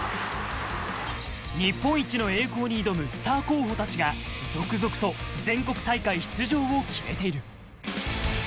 日本一の栄光に挑むスター候補たちが、続々と全国大会出場を決めている。